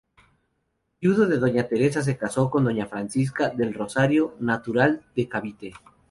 Viudo de doña Teresa se casó con Doña Francisca del Rosario, natural de Cavite.